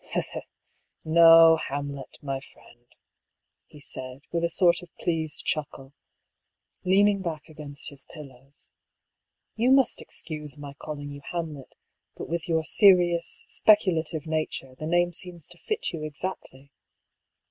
" No, Hamlet, my friend," he said, with a sort of pleased chuckle, leaning back against his pillows. " You must excuse my calling you Hamlet, but with your seri ous speculative nature, the name seems to fit you exactly.